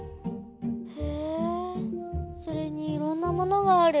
へえそれにいろんなものがある。